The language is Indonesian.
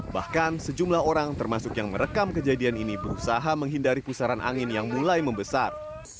bahkan sejumlah orang termasuk yang merekam kejadian ini berusaha menghindari pusaran angin yang mulai membesar